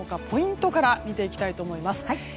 ポイントから見ていきたいと思います。